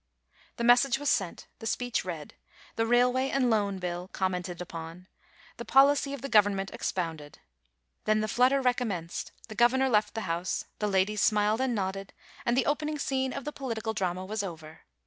The message was sent ; the speech read ; the Railway and Loan Bill commented upon ; the policy of the Government expounded. Then the flutter recommenced ; the Governor left the House; the ladies smiled and nodded; and the opening scene of the political drama was over.